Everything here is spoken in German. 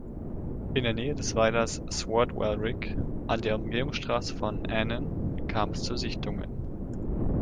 In der Nähe des Weilers Swordwellrigg an der Umgehungsstraße von Annan kam es zu Sichtungen.